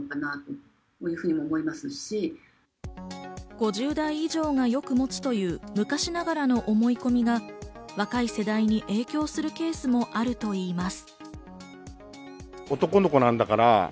５０代以上が持つという昔ながらの思い込みが若い世代に影響するケースもあるといいます。